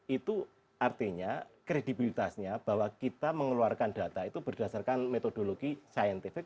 itu artinya kredibilitasnya bahwa kita mengeluarkan data itu berdasarkan metodologi scientific